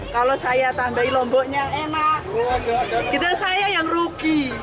kalau saya tambahin lomboknya enak kita sayang yang rugi